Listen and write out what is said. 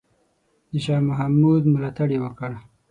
د شاه محمود ملاتړ یې وکړ.